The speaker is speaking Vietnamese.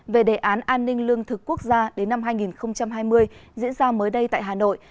về đề án an ninh lương thực quốc gia đến năm hai nghìn hai mươi diễn ra mới đây tại hà nội